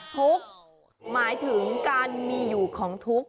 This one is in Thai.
ทุกข์หมายถึงการมีอยู่ของทุกข์